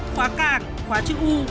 khóa cảng khóa chữ u